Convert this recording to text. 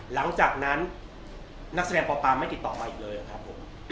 หลังจากนั้นนักแสดงปปาไม่ติดต่อมาอีกเลยครับผม